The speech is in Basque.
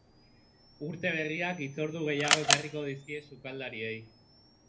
Urte berriak hitzordu gehiago ekarriko dizkie sukaldariei.